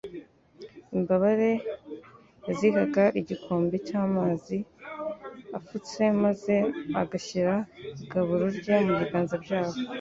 Imbabare yazihaga igikombe cy'amazi afutse maze agashyira igaburo rye mu biganza byabo.